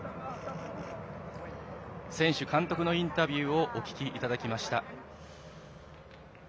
選手、監督のインタビューをお聞きいただきました。